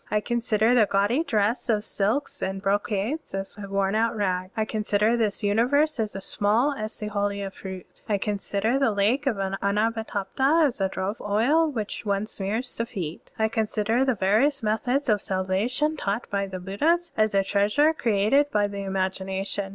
I consider the gaudy dress of silks and brocades as a worn out rag. I consider this universe as small as the holila (?) fruit. I consider the lake of Anavatapta as a drop of oil with which one smears the feet. I consider the various methods of salvation taught by the Buddhas as a treasure created by the imagination.